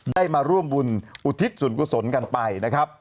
ได้มาร่วมบุญอุทิศส่วนกุศลกันไปนะครับ